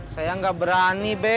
saya nggak berani be